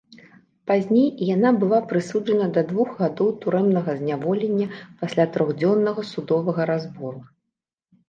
Пазней яна была прысуджана да двух гадоў турэмнага зняволення пасля трохдзённага судовага разбору.